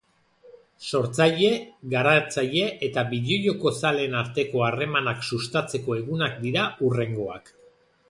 sortzaile, garatzaile eta bideojoko zaleen arteko harremanak sustatzeko egunak dira hurrengoak